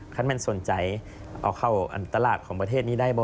เค้าจะสนใจเอาเข้าอันตลาดของประเทศนี้ได้บ่